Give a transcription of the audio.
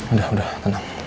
udah udah tenang